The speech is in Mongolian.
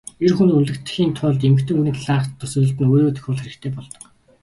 Эр хүнд үнэлэгдэхийн тулд эмэгтэй хүний талаарх төсөөлөлд нь өөрийгөө тохируулах хэрэгтэй болдог.